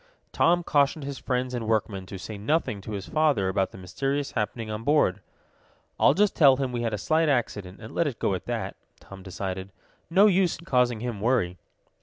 Tom cautioned his friends and workmen to say nothing to his father about the mysterious happening on board. "I'll just tell him we had a slight accident, and let it go at that," Tom decided. "No use in causing him worry."